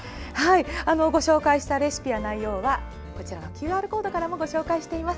ご紹介したレシピや内容はＱＲコードからもご紹介しています。